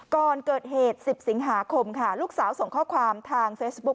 ก่อนเกิดเหตุ๑๐สิงหาคมค่ะลูกสาวส่งข้อความทางเฟซบุ๊ค